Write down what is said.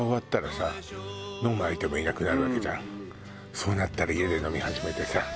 そうなったら家で飲み始めてさ。